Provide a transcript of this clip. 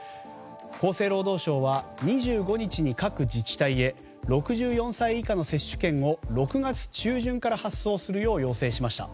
厚生労働省は２５日に各自治体へ６４歳以下の接種券を６月中旬から発送するよう要請しました。